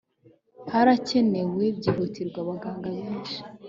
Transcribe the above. harakenewe byihutirwa abaganga benshi